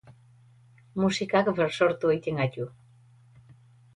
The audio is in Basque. Musikak bersortu egiten gaitu.